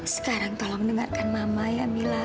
sekarang tolong dengarkan mama ya mila